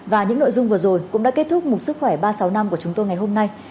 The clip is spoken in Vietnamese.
và những nội dung vừa rồi cũng đã kết thúc một sức khỏe ba trăm sáu mươi năm của chúng tôi ngày hôm nay